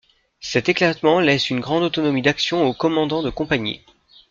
Cet éclatement laisse une grande autonomie d’action aux commandants de compagnie.